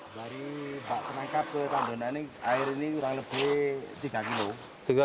dari pak penangkap ke tandun air ini kurang lebih tiga kilo